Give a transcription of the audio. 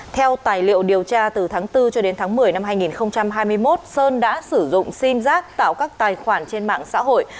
theo tài liệu điều tra từ tháng bốn cho đến tháng một mươi năm hai nghìn hai mươi một sơn đã sử dụng sim giác tạo các tài khoản trên mạng xã hội